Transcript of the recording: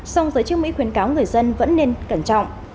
song giới chức mỹ khuyến cáo người dân vẫn nên cẩn trọng